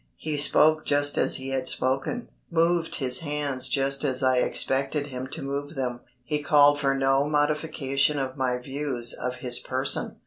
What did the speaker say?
He spoke just as he had spoken, moved his hands just as I expected him to move them. He called for no modification of my views of his person.